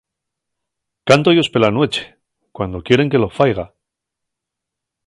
Cánto-yos pela nueche, cuando quieren que lo faiga.